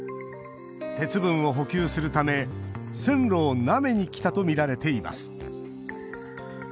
鉄分を補給するため線路をなめにきたとみられています。